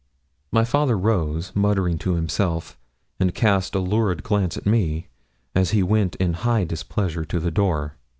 My father rose, muttering to himself, and cast a lurid glance at me, as he went in high displeasure to the door.